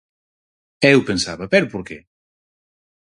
E eu pensaba "pero por que?"